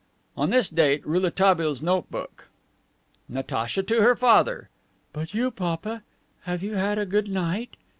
On this date, Rouletabille's note book: "Natacha to her father: 'But you, papa, have you had a good night?